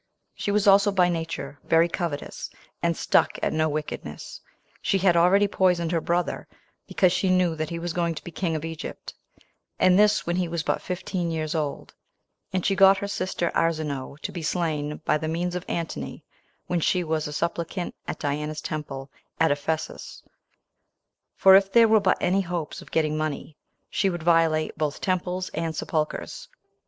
She was also by nature very covetous, and stuck at no wickedness. She had already poisoned her brother, because she knew that he was to be king of Egypt, and this when he was but fifteen years old; and she got her sister Arsinoe to be slain, by the means of Antony, when she was a supplicant at Diana's temple at Ephesus; for if there were but any hopes of getting money, she would violate both temples and sepulchers.